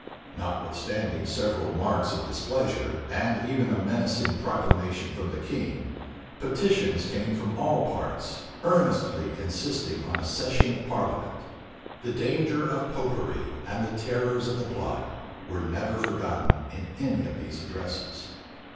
Notwithstanding several marks of displeasure, and even a menacing proclamation from the king, petitions came from all parts, earnestly insisting on a session of parliament. The danger of Popery, and the terrors of the plot, were never forgotten in any of these addresses.